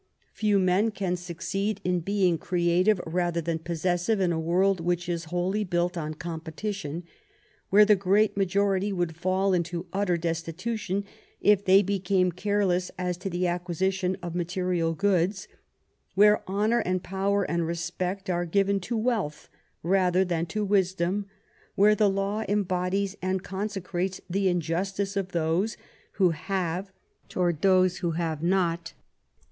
Few men can succeed in being creative rather than possessive in a world which is wholly built on competition, where the great majority would fall into utter destitution if they became careless as to the acquisition of material goods, where honor and power and respect are given to wealth rather than to wisdom, where the law embodies and consecrates the injustice of those who have toward those who have not.